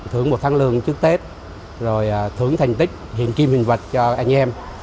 thưởng một tháng lương trước tết rồi thưởng thành tích hiện kim hình vạch cho anh em